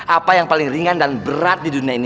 apa yang paling ringan dan berat di dunia ini